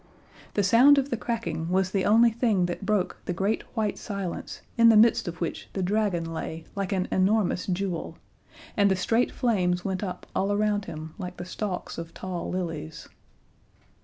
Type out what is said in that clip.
The sound of the cracking was the only thing that broke the great white silence in the midst of which the dragon lay like an enormous jewel, and the straight flames went up all around him like the stalks of tall lilies.